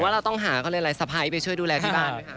เราต้องหาเขาเรียกอะไรสะพ้ายไปช่วยดูแลที่บ้านไหมคะ